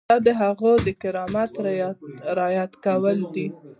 دا د هغوی د کرامت رعایت کول دي.